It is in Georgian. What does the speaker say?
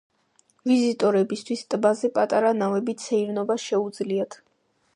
ვიზიტორებისთვის ტბაზე პატარა ნავებით სეირნობა შეუძლიათ.